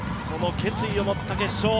その決意を持った決勝。